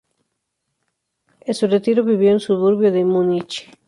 En su retiro, vivió en un suburbio de Munich.